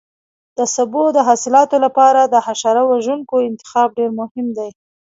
د سبو د حاصلاتو لپاره د حشره وژونکو انتخاب ډېر مهم دی.